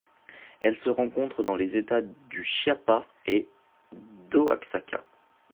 Elle se rencontre dans les États du Chiapas et d'Oaxaca.